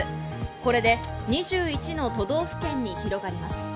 これで２１の都道府県に広がります。